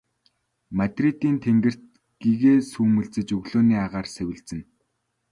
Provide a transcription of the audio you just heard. Мадридын тэнгэрт гэгээ сүүмэлзэж өглөөний агаар сэвэлзэнэ.